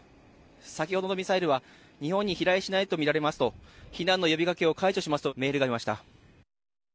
先ほどのミサイルは日本に飛来しないとみられますと避難の呼びかけを解除しますとメールがありました。